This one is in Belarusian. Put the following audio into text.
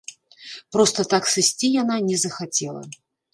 Проста так сысці яна не захацела.